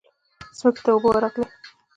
ځمکې ته اوبه ورغلې.